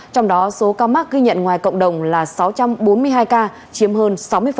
trong đó số ca mắc ghi nhận ngoài cộng đồng là sáu trăm bốn mươi hai ca chiếm hơn sáu mươi